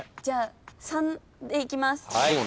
じゃあ３でいきます。